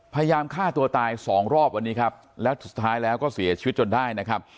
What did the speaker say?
พยายามฆ่าตัวตายสองรอบวันนี้ครับแล้วสุดท้ายแล้วก็เสียชีวิตจนได้นะครับ